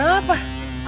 wuhh mantap gitu mama